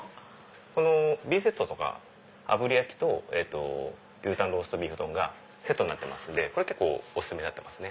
このＢセットとか炙り焼きと牛たんのローストビーフ丼がセットになってますんで結構お薦めになってます。